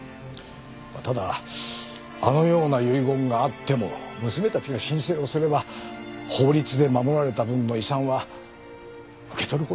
ただあのような遺言があっても娘たちが申請をすれば法律で守られた分の遺産は受け取ることができるんです。